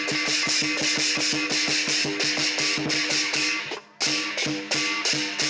kamu lagi tuh